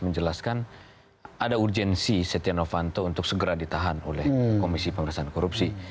menjelaskan ada urgensi setia novanto untuk segera ditahan oleh komisi pemerintahan korupsi